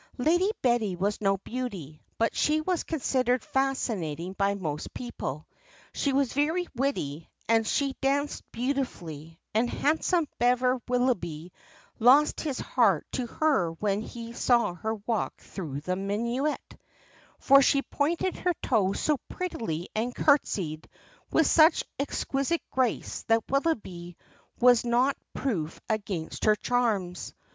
"Lady Betty was no beauty, but she was considered fascinating by most people. She was very witty, and she danced beautifully, and handsome Bever Willoughby lost his heart to her when he saw her walk through the minuet; for she pointed her toe so prettily and curtsied with such exquisite grace, that Willoughby was not proof against her charms.